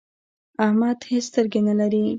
احمد هيڅ سترګې نه لري.